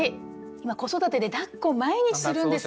今子育てでだっこを毎日するんですよ。